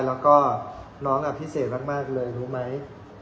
แล้วก็น้องพิเศษมากเลยรู้ไหม